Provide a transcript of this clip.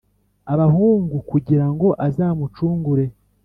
abahungu kugira ngo azamucungure.